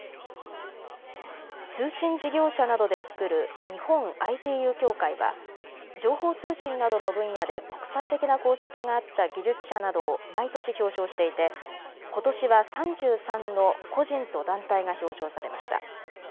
通信事業者などで作る日本ＩＴＵ協会は情報通信などの分野で国際的な功績があった技術者などを毎年表彰していてことしは３３の個人と団体が表彰されました。